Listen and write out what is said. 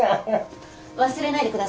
忘れないでくださいね。